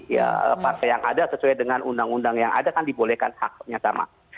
ya partai yang ada sesuai dengan undang undang yang ada kan dibolehkan haknya sama